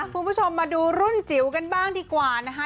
คุณผู้ชมมาดูรุ่นจิ๋วกันบ้างดีกว่านะคะ